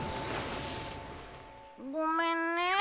ごめんね。